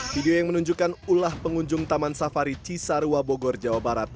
video yang menunjukkan ulah pengunjung taman safari cisarua bogor jawa barat